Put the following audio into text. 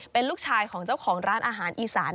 เป็นลูกชายของเจ้าของร้านอาหารอีสาน